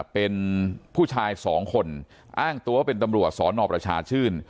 เป็นผู้ชายสองคนอ้างตัวเป็นตำรวจสนประชาชื่น